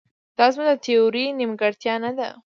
دا زموږ د تیورۍ نیمګړتیا نه ده.